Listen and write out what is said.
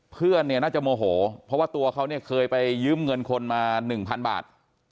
เพื่อนเนี่ยน่าจะโมโหเพราะว่าตัวเขาเนี่ยเคยไปยืมเงินคนมา๑๐๐บาท